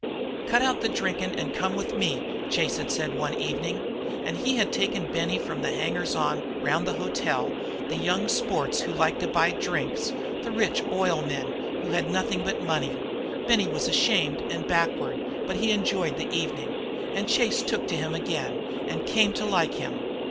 "Cut out the drinking and come with me," Chase had said one evening. And he had taken Benny from among the hangers on round the hotel, the young, sports who liked to buy drinks, the rich oil men who had nothing but money. Benny was ashamed and backward, but he enjoyed the evening. And Chase took him again and came to like him.